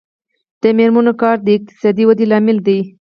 د میرمنو کار د اقتصادي ودې لامل دی.